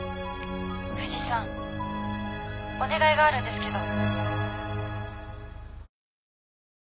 藤さんお願いがあるんですけど。